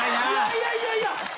いやいやいや！